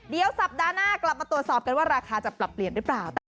เดี๋ยวสัปดาห์หน้ากลับมาตรวจสอบกันว่าราคาจะปรับเปลี่ยนหรือเปล่า